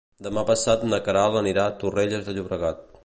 Demà passat na Queralt anirà a Torrelles de Llobregat.